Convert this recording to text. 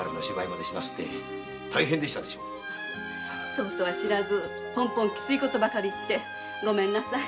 それとは知らずきつい事ばかり言ってごめんなさい。